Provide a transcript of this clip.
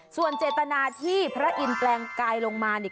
ส่วนเจตนาที่พระอินทร์แปลงกายลงมาเนี่ย